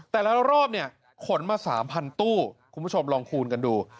แต่ละรอบเนี่ยขนมา๓๐๐ตู้คุณผู้ชมลองคูณกันดู